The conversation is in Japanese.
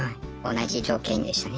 同じ条件でしたね。